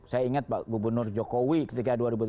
saya ingat pak gubernur jokowi ketika dua ribu tujuh belas